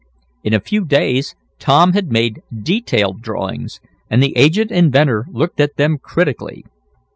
In a few days Tom had made detailed drawings, and the aged inventor looked at them critically.